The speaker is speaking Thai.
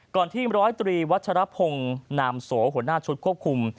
ก่อนที่๑๐๓วัชรพงศ์นามโสหัวหน้าชุดควบคุม